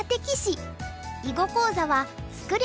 囲碁講座は「作れ！